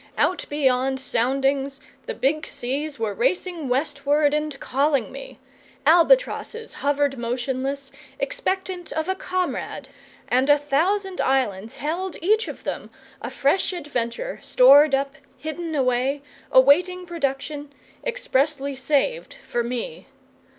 Out beyond soundings the big seas were racing westward and calling me, albatrosses hovered motionless, expectant of a comrade, and a thousand islands held each of them a fresh adventure, stored up, hidden away, awaiting production, expressly saved for me.